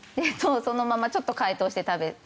そのままちょっと解凍して食べる。